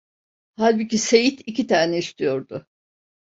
Halbuki Seyit iki tane istiyordu…